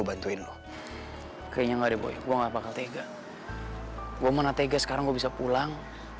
baiklah aku akan pulang